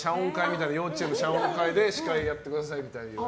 謝恩会で司会やってくださいみたいな。